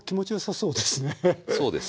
そうですね。